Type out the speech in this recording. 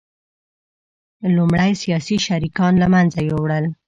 لومړی سیاسي شریکان له منځه یوړل